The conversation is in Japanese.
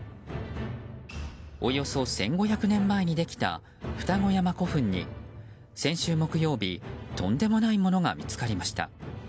およそ１５００年前にできた二子山古墳に先週木曜日とんでもないものが見つかりました。